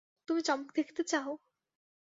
তুমি চমক দেখতে চাও?